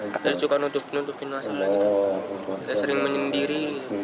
saya suka nutup nutupin masalah gitu saya sering menyendiri